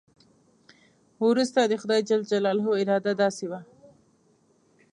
وروسته د خدای جل جلاله اراده داسې وه.